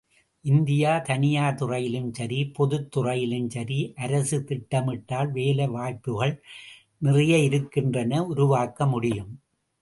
India, தனியார் துறையிலும் சரி, பொதுத்துறையிலும் சரி, அரசு திட்டமிட்டால் வேலை வாய்ப்புக்கள் நிறைய இருக்கின்றன உருவாக்க முடியும்.